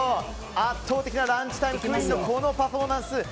圧倒的なランチタイムクイーンのこのパフォーマンス。